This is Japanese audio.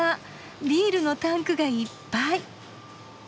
ビールのタンクがいっぱい。